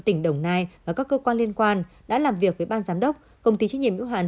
tỉnh đồng nai và các cơ quan liên quan đã làm việc với ban giám đốc công ty trách nhiệm hữu hạn